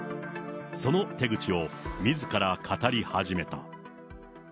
その手口をみずから語り始めた。